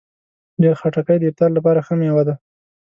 خټکی د افطار لپاره هم ښه مېوه ده.